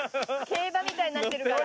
競馬みたいになってるから。